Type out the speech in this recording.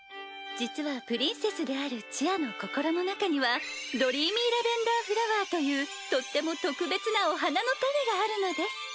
実はプリンセスであるちあの心の中にはドリーミーラベンダーフラワーというとっても特別なお花の種があるのです。